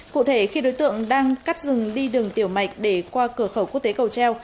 cụ thể khi đối tượng đang cắt rừng đi đường tiểu mạch để qua cửa khẩu quốc tế cầu treo